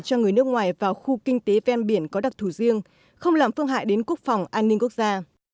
cho người nước ngoài vào khu kinh tế ven biển có đặc thù riêng không làm phương hại đến quốc phòng an ninh quốc gia